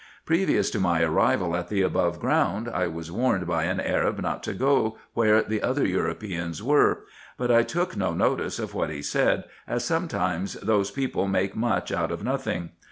Previous to my arrival at the above ground, I was warned by an Arab not to go where the other Europeans were ; but I took no notice of what he said, as sometimes those people make much out of nothing.